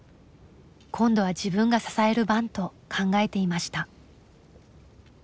今度は自分が支える番と考えていました。